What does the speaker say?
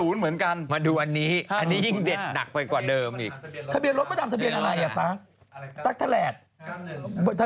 เลขมันใกล้เคียนกันเลยเถอะ